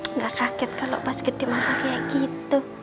enggak kaget kalau pas gede masa kayak gitu